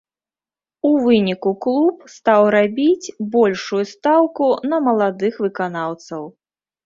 У выніку клуб стаў рабіць большую стаўку на маладых выканаўцаў.